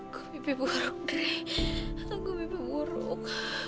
gue mimpi buruk gry gue mimpi buruk